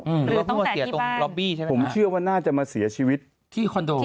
หรือว่าเพิ่งมาเสียตรงล็อบบี้ใช่ไหมผมเชื่อว่าน่าจะมาเสียชีวิตที่คอนโด